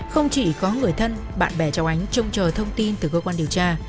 không chỉ có người thân bạn bè cháu ánh trông chờ thông tin từ cơ quan điều tra